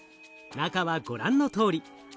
中はご覧のとおり。